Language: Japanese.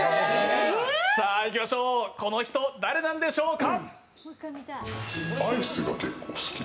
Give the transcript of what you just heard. さあ、いきましょう、この人、誰なんでしょうか。